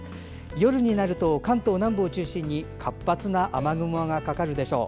夜になると関東南部を中心に活発な雨雲がかかるでしょう。